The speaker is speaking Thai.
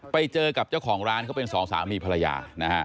ไปเจอกับเจ้าของร้านเขาเป็นสองสามีภรรยานะฮะ